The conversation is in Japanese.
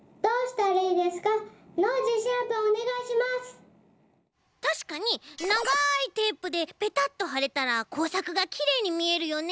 たしかにながいテープでペタッとはれたらこうさくがきれいにみえるよね。